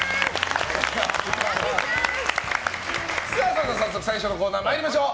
それでは早速最初のコーナー参りましょう。